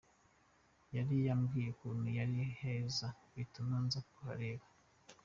Y yari yambwiye ukuntu ari heza bituma nza kuhareba.